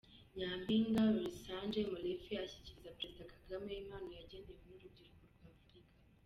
Nyampinga Rorisange Molefe ashyikiriza Perezida Kagame impano yagenewe n’urubyiruko rwa Afurika.